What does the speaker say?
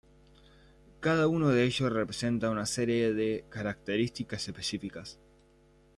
Cada uno de ellos representa una serie de características específicas.